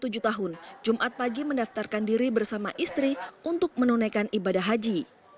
tujuh tahun jumat pagi mendaftarkan diri bersama istri untuk menunaikan ibadah haji